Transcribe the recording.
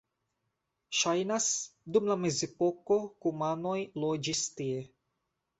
Ŝajnas, dum la mezepoko kumanoj loĝis tie.